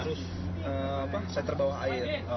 itu juga dibantu sama seter bawah air